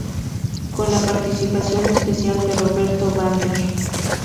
Con la participación especial de Roberto Vander.